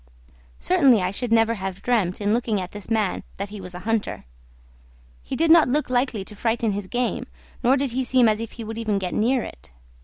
Certainly I should never have dreamt in looking at this man that he was a hunter; he did not look likely to frighten his game, nor did he seem as if he would even get near it.